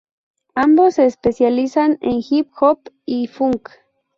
Ambos se especializan en Hip Hop y Funk.